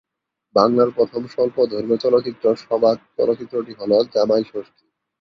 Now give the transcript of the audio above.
বাংলার প্রথম স্বল্পদৈর্ঘ্য চলচ্চিত্র সবাক চলচ্চিত্রটি হল জামাই ষষ্ঠী।